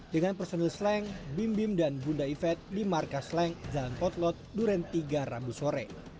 dengan personil slang bim bim dan bunda event di markas leng jalan potlot duren tiga rabu sore